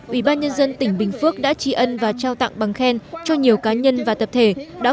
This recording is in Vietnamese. ủy ban nhân dân tỉnh bình phước đã tri ân và trao tặng bằng khen cho nhiều cá nhân và tập thể